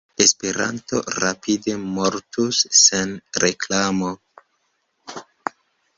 Esperanto rapide mortus sen reklamo.